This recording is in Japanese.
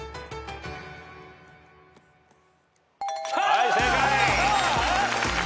はい正解。